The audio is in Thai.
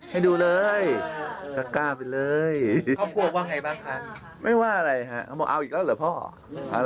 หลังครั้งนี้ถอดเสื้อไหมคะคุณอาหาร